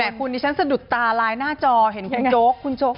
แต่คุณนี่ฉันสะดุดตาลายหน้าจอเห็นคุณโจ๊ก